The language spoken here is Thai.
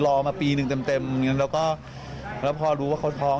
รอมาปีหนึ่งเต็มแล้วก็พอรู้ว่าเขาท้อง